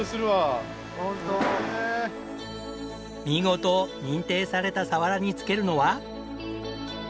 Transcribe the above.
見事認定されたサワラにつけるのは。